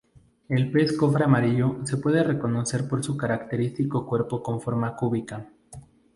El pez cofre amarillo se puede reconocer por su característico cuerpo con forma cúbica.